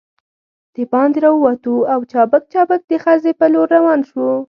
دباندې راووتو او چابک چابک د خزې په لور روان شوو.